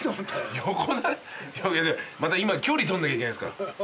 また今距離取んなきゃいけないですから。